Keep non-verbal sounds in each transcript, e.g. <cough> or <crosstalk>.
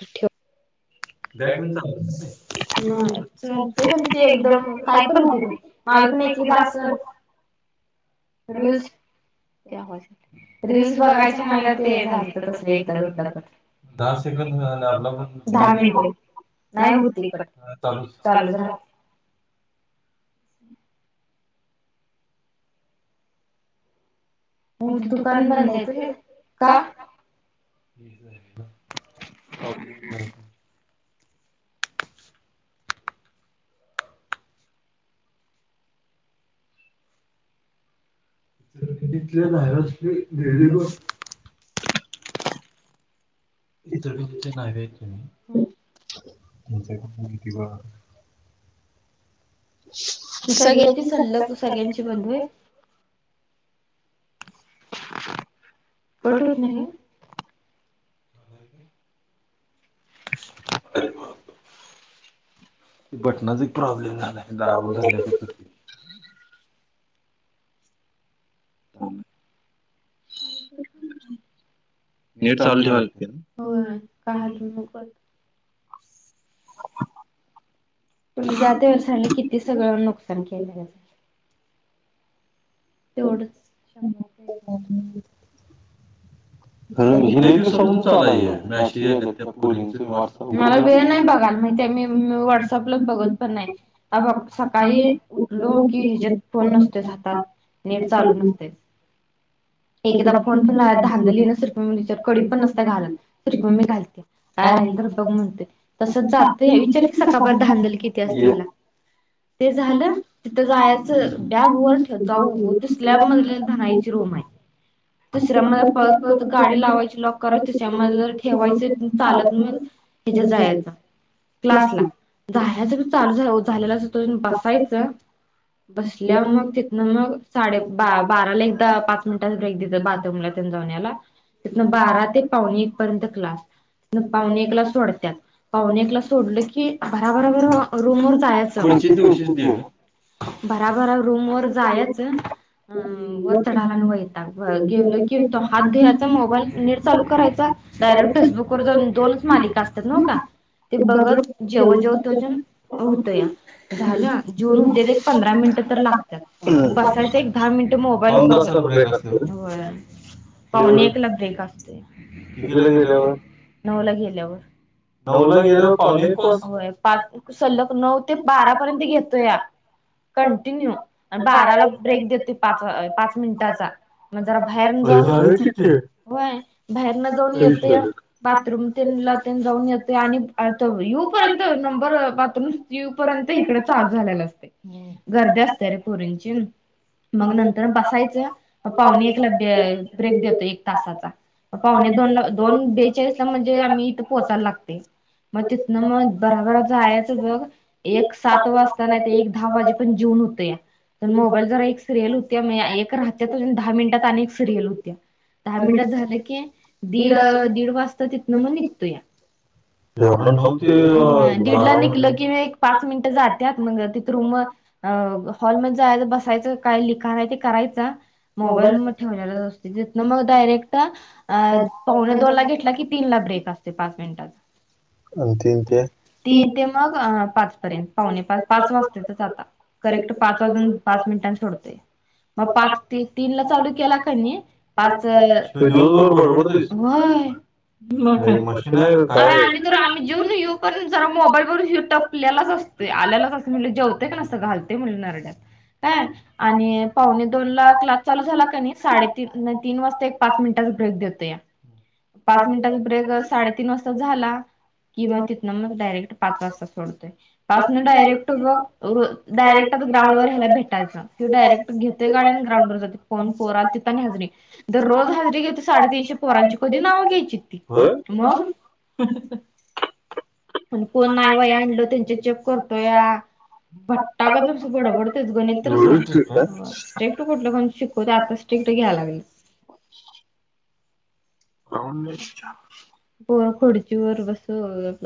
ठेव. एकदम काय पण होते. <unintelligible> रिल्स रिल्स बघायच्या नाही ते झाल त तस एकदा दोनदा कट. दहा मिनिटं. नाही होते कट चालूच राहते. <unintelligible> म ते दुकान बंद तरी का? <unintelligible> <unintelligible> <unintelligible> त सगळ्यांची सल्लं तू सगळ्यांच म्ह <unintelligible> कट होत नाही. <unintelligible> बटनाचा एक प्रॉब्लेम झालाय दाबून धरल्यागत होतोय. <unintelligible> <unintelligible> <unintelligible> पणे जात वर्षांनी किती सगळं नुकसान केलेलं. तेवढंच शंभर रुपये. द दिवसापून चालय मॅसेज आ त्या पोरी वटप मला वेळ नाही बघायला. ते मी व्हाट्सअप ला बघत पण नाही हे बघ सकाळी उठलो की ह्याच्यात फोन नसतोच हातात नेट चालू नसतंय एखादा फोन पण नाय धांदल नुसती. मग मी याच्यात कळी पण नसते घालत म्हणजे मम्मी घालते काय राहिलं तर बघ म्हणते तसेच जात विचार सकाबार धांदल किती असतेला. ते झालं तिथं जायचं बॅग व जाऊ ते स्लॅब मध नायची र दुसरा मध्ये पडत गाडी लावायची लॉक करायचीच्यामध्ये जर ठेवायचं चालत मग हच्या जायचां. क्लास ला जायच चालू झालेला तो बसायच बसल्या मग तिथनं मग साडे बाराला एकदा पाच मिनटच ब्रेक देत बाथरूमला त्या बारा ते पावणे एक पर्यंत क्लास. न पाहुणे एकलास सोडत्यात. पावन एकला सोडलं की बराभरार रूम वर जायाच भराभरा रूम वर जायच अ वर्तडालान वयताात गेलो की तो हात मोबाईल नट चालू करायचा डायरेक्ट फेसबुक वर दोनच मालिक असतात नो का. ते बघत जेव्हा जेव्हा तजून होत या झालं जेवून होते ती एक पंधरा मिनिटं तर लागतात बसायच एक दहा मिनट मोबाईल <inaudible> पावणे एक ला बेग असते किती गेल्यावर नऊ ला गेल्यावर नऊ ला गेलं पावणे पाच सलग नऊ ते बारा पर्यंत घेतो या कंटिन्यू बाराला ब्रेक देते पाच पाच मिनिटाचा मग जरा बाहेरनं होय बाहेर न जाऊन येतो या बाथरूम ऊन येते आणि आ यू पर्यंत नंबर बातम यू पर्यंत इकडे चार्ज झालेला असते गर्दी असते रे पोरींची मग नंतर बसायचं पाहुणे एकला ब्रेक देतो एक तासाचा पाहुणे दोन दोन बेचाळीस ला म्हणजे आम्ही इथे पोहोचायला लागते मग तिथन मग बराबरा जायचं बघ एक सात वाजताना ते एक दहा वाजे पण जेव होते पण मोबाईल ज एक सिरियल होत्या एक राहत दहा मिनिटात आणि एक सिरियल होत्या दहा मिनटात झालं की दीड दीड वाजता तिथनं मग निघतो या वढ दीडला निघल कि एक पाच मिनिट जाते मग तिथ रूम अ हॉलमध्ये जायला बसायचं काही लिखाण असेल तर करायचं नाहीतर मोबाईल ठेवलेला असतो डायरेक्ट पावणे दोन ला घेतला की तीन ला ब्रेक असते पाच मिनिटाचा आमच्याइथे तीन ते मग पाच पर्यंत पावणे पाच वाजता आता करेक्ट पाच वाजून पाच पंधरा मिनिटात सोडवतो पाच कटिंग चालू केला की तर दिवसभर वळवळते मशीन आहे का काय आम्ही तर जेवन येऊ पण जरा मोबाईलवररून टपलेलाच असते आल्यालाच असते म्हण जेवते का नसं घालते म्हण काय आणि पावणे दोन वाजता साडेतीनला सोडता एक पाच मिनिटाचा ब्रेक देतो या पाच मिनिटाचा ब्रेक साडेतीन वाजता झाला कि मग तिथन मग डायरेक्ट पाच वाजता सोडतोय पाचन डायरेक्ट डायरेक्ट ग्राउड वर्यायला भेटयं त डायरेट घेते गाड आणि ग्रांड व जाते फो पोराल तिथ न हजरी जर रोज हजरी घेत त साडेतीीनशे पोरांची कधी नावं घ्यायची ती मग आणि कोण नाही वाया आणल त्यांच्या चेक करतो या भट्टा का तस बडबडतेच गणित स्ट्रेक कुठलंण शिकवते आता स्ट कुठे घ्यालागली हो पोर खोडची वर बस सळवत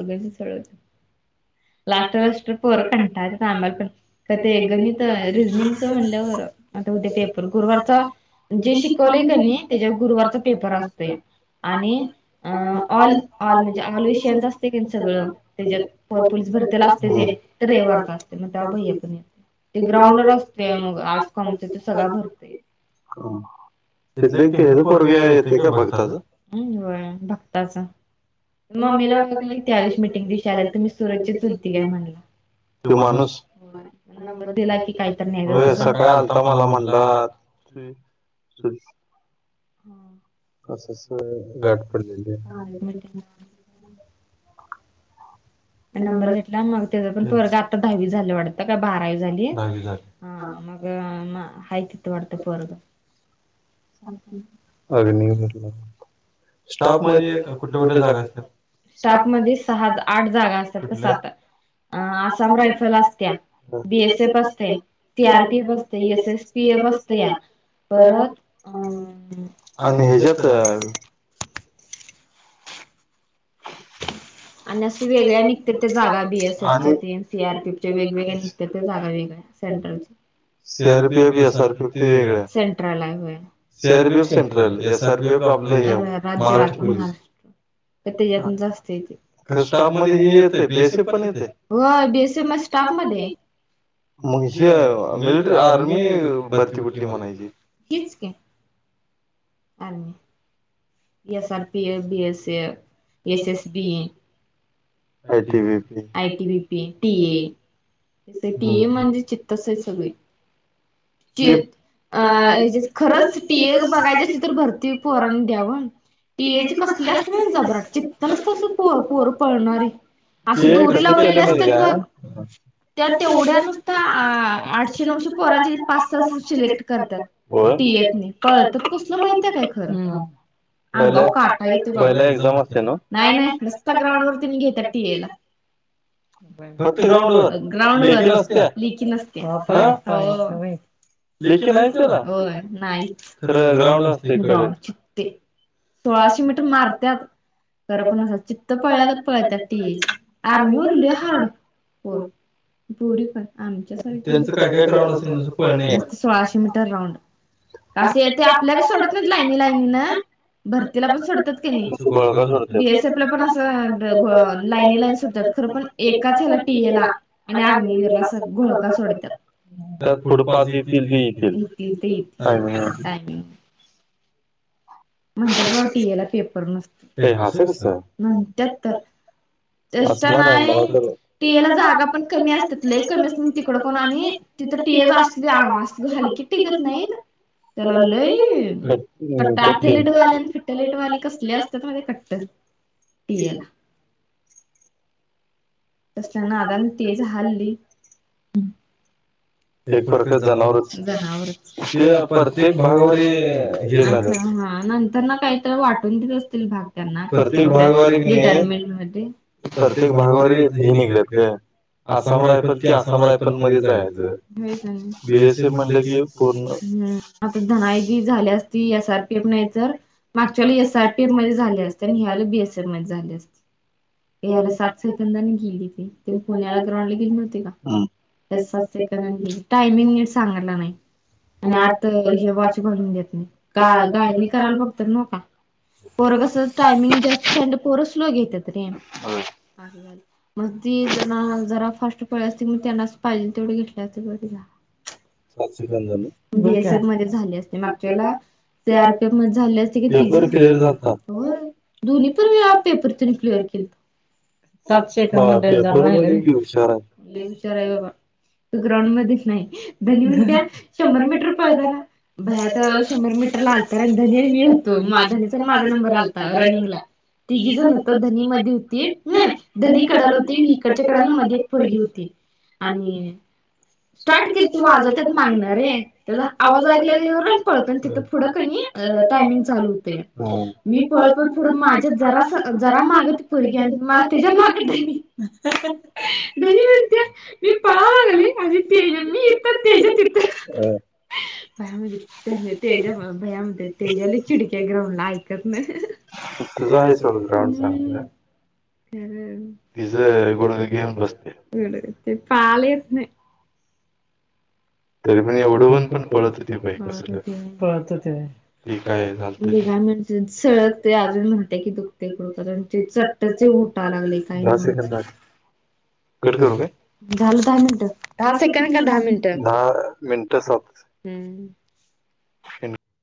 लास्ट लास्ट पोर कंटाबाला पण क ते गण रिजनिंग च म्हणल्या बर आता उद्या पेपर गुरुवारचा जे शिकवलंय का नाही त्याच्यावर गुरुवारचा पेपर असतोय आणि ऑल ऑल म्हणजे ऑल विशन असतेी सगळं त्याच्यातपू भर असते वाढ असेत ते्रव बसते आजल सगते तिथलं ते ह पोरग येते का भक्ताच भक्ताच मममीीलाग तयारीश मिीटिंगली शल त मी तो माणूस नंबर दिला हो सकाळी आलता मला म्हणतात <inaudible> हम्म असंचं गाठ पडलेली आहे नंबर घेतला आणि मग त्याचं पण परर्ग आता दहावीस झालं वाटत ता काय बारावी झालीय ह मग आहेा तिथ वाटतं पोरग अगनी फला <unintelligible> स्टॉप मध्ये एक कुठे कुठे जागा असतात. स्टाफ मध्ये सहा, आठ जागा असतात तर कसतात. अ आसाम रायफल असत्या बी, एस, एफ असते. सी, आर, पी, ए बसते एस, एस, पी, ए बसते या परत अ आणि हच्यात. आणि असं वेगळ्या निघत त्या जागा बी, एस, एफ, च्या सी, आर, पी, च्या वेगवेगळ्या निघत्या त्या जागा वेगळ्या. सेट्रल च. C, R, P, F, S, R, P, F ते वेगळ सेंट्रल आहे सेर B, F central S, R, P, F, राज महाराष्ट्र प्रत्येकातून जास्ते. स्टाफ मध्ये येत बी, एस, ए पण येत हो बी, एस, ए म स्टाफ मध्ये. मग ह मिलिटरी आर्मी भरती कुठली म्हणायचीच. <unintelligible> S, R, P, A, B, S, A S, S, B, A I, T, B, P, TA म्हणजे चित्तस आहे सगळे. अं खरंच टी, ए बघायच्या अस तर भरती पोरांनी द्याव. टी, ए, ची कसली असते ना जबराट चित्तनच तसं पो पोर पडणारे. असं दुरी लावलेले असतात बघ. त्या तेवढ्या नुसता आठशे, नऊशे पोरांची. असं अस सिलेक्ट करतात टी, ए, त पळत कसलं माहित आहे काय खर. ह येत नाही नाही रस्ता ग्राउंड वरती नि घेतात टी, ए, येला. ह <unintelligible> फक्त ग्राउंड व ग्राउंड नसते लेखी नसते. लेखी नाही त्याला नाही खर ग्राउंड असते ग्राउंड ते. सोळाशे मीटर मारतात. खरं पण अस चित्त पळला क पळत टी, ए आर्मीवरली हार्ड. पुरी पण आमच्या सा त्यांच काय काय ग्रउंड असेल सोळाशे मीटर राऊंड. कसं ते आपल्याकच सोडत नाही लाईनी लाईनी ना. भरतीला पण सोडतात क नाही बी, एस, एफ ला पण असं लाईनी लाईन सोडतात खरं पण. एकाच ह्याला टीयला आणि अग्निवीरला स घोळका सोडतात.. त्यात फुड पास ये टायमिंग. म्हणतात बाबा टी, ए, ला पेपर नसत न तर. तस नाही टि, ए ला जागा पण का. कमी असतात कमी असत तिकड कोण आणि तिथं टि, ए असली आंग अस हलकी टिकत नाही. त्याला लई प फिट्ट लेटवाले कसले असतात म कट्टर टि, ए ला. <inaudible> क लाग तेच <unintelligible> एक फकार जनावरच जनावर ते प्रत्येक भागावर हे झाले. नंतर ना काहीत वाटून देत असतील भाग त्यांना रिटायरमेंट मुळते. प्रत्येक भागा मध्ये त जे निघलेत काय ग. आसाम रायफल ते आसाम रायफल मध्ये जायचं बी, एस, स म्हटलं की पूर्ण. ह आता धनायदी झाल्यास त एस, आर, पी, एफ नाही तर मागच्या एस, आर, पी, एफ मध्ये झाली. सात सेकंद. ली ते पुण्याला ग्राउंड ला गेली होती का? सातक टाइमिंग सांगाला नाही. आणि आता हे वॉच घलून घेत नाही का गायणी करायला बघत न का. पोरं कस टायमिंग जास्त स पोरं स्लो घेत रें झालं. म जना जरा फर्स्ट पळ असते मग त्यांनाच पाहिजे तेवढे घेतल्या असते बला <unintelligible> बी एस फ मध्ये झाले असते मागच्याला ते आर पी एफ मध्ये झाले असते व्हय दोन्ही पण वेळा पेपर <unintelligible> क्लअर केलत. लई हुशार आहे बाबा. तू ग्राउंड मध्येच नाही धनी म्हणत्या शंभर मीटर पाडत ना बाई आता शंभर मीटर अंतरला आल तर धनी मी होतो मा धानी चा माझा नंबर आलता रनिंग ला तिघीजणी होतं धनी मध्ये होती. धनी कडेला होती मी इकडच्या कडेला मध्ये एक पोरगी होती आणि स्टार्ट केलं तू आजं त्यात मागण अरे त्याचा आवाज ऐकला नि वर न पळत तिथ पुढं क की नाही टाइमिंग चालू होतया. मी पळत पळत पुढं माझ्या जरा शी मागे ती पोरगी अन मागे तिच्या मागे धनी हा धनी म्हणते मी पळा लागले अनी ते इच तेज तिथं. अहं. बयामध्ये तेज बयामध्ये तेजा चिडक्या ग्राउंडला ऐकत नाही. तुझा आहे सोड. राम सांग जा तिज ले <unintelligible> पाळाले येत नाही. तरी पण एवढं पण पळत होती बाई कसतरी <inaudible> म्हणजे सळक ते अजून म्हणते की दुखते कुडकत चट्टचे उठायले लागले काय <unintelligible> कट करू काय? दहा मिनिट सात